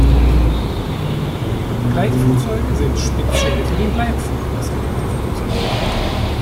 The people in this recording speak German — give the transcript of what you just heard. Gleitflugzeuge sind speziell für den Gleitflug ausgelegte Flugzeuge.